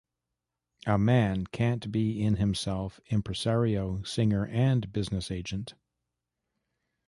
A man can't be in himself impresario, singer, and business agent.